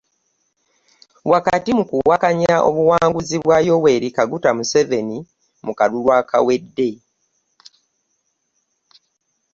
Wakati mu kuwakanya obuwanguzi bwa Yoweri Kaguta Museveni mu kalulu akawedde.